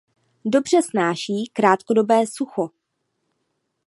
Dobře snáší krátkodobé sucho.